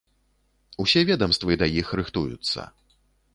Усе ведамствы да іх рыхтуюцца.